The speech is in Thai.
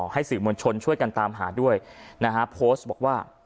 ให้สื่อมวลชนช่วยกันตามหาด้วยนะฮะโพสต์บอกว่า